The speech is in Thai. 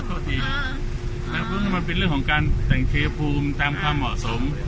ตัวจริงแต่ก็มันเป็นเรื่องของการแต่งเคภูมิเป็นเรื่องมันตามความเหมาะสม